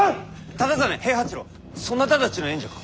忠真平八郎そなたたちの縁者か？